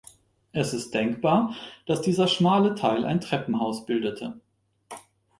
Es ist denkbar, dass dieser schmale Teil ein Treppenhaus bildete.